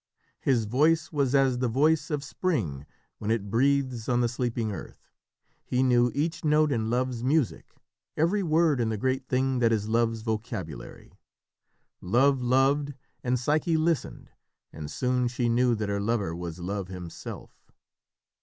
His voice was as the voice of spring when it breathes on the sleeping earth; he knew each note in Love's music, every word in the great thing that is Love's vocabulary. Love loved, and Psyche listened, and soon she knew that her lover was Love himself.